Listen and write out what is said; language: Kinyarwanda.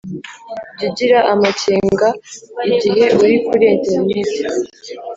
jya ugira amakenga igihe uri kuri interineti